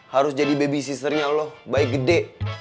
harus jadi baby sisternya lo baik gede